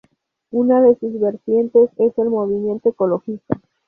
Una de sus vertientes es el movimiento ecologista.